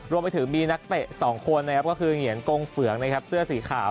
รวมไปถึงมีนักเตะ๒คนนะครับก็คือเหงียนกงเฟืองนะครับเสื้อสีขาว